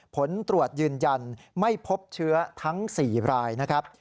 ผลตรวจยืนยันไม่พบเชื้อทั้ง๔รายนะครับ